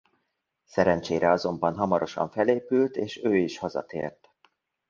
Szerencsére azonban hamarosan felépült és ő is hazatért.